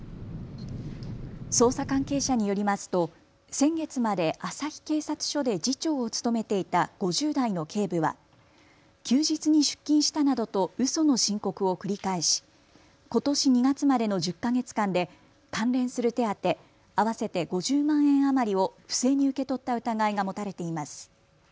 捜査関係者によりますと先月まで旭警察署で次長を務めていた５０代の警部は休日に出勤したなどとうその申告を繰り返しことし２月までの１０か月間で関連する手当、合わせて５０万円余りを不正に受け取った疑いが持たれています。